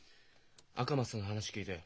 赤松さんの話聞いたよ。